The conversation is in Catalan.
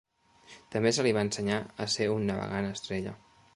També se li va ensenyar a ser un navegant estrella.